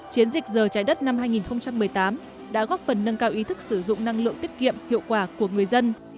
chiến dịch giờ trái đất năm hai nghìn một mươi tám đã góp phần nâng cao ý thức sử dụng năng lượng tiết kiệm hiệu quả của người dân